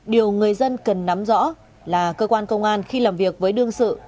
điều người dân cần nắm rõ là cơ quan công an khi làm việc với đương sự